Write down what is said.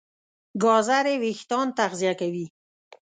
ګازرې وېښتيان تغذیه کوي.